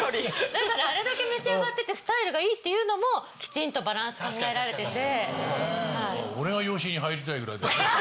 だからあれだけ召し上がっててスタイルがいいっていうのもきちんとバランス考えられてて。